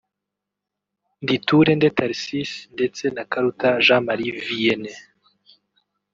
Nditurende Tharcisse ndetse na Karuta Jean Marie Vienne